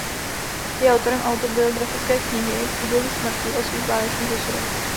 Je autorem autobiografické knihy "V údolí smrti" o svých válečných osudech.